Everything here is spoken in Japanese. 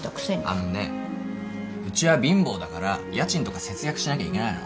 あのねうちは貧乏だから家賃とか節約しなきゃいけないの。